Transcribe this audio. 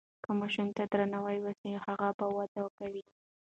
که ماشوم ته درناوی وسي هغه وده کوي.